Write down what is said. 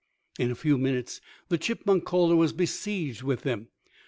In a few minutes, the chipmunk caller was besieged with them.